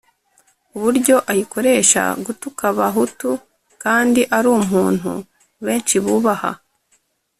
uburyo ayikoresha gutuka abahutu kandi ari umuntu benshi bubaha